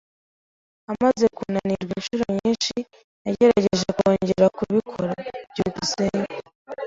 Amaze kunanirwa inshuro nyinshi, yagerageje kongera kubikora. byukusenge